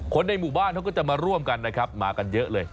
ในหมู่บ้านเขาก็จะมาร่วมกันนะครับมากันเยอะเลย